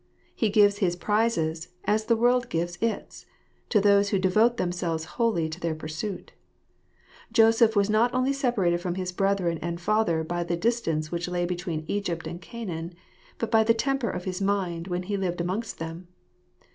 He gives his prizes, as the world gives its, to those who devote themselves wholly to their pursuit Joseph was not only separated from his brethren and father by the distance which lay between Egypt and Canaan, but by the temper of his mind when he lived amongst them.